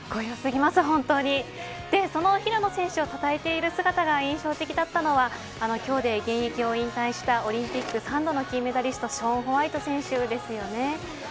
平野選手をたたえている姿が印象的だったのは今日で現役を引退したオリンピック３度の金メダリストショーン・ホワイト選手ですよね。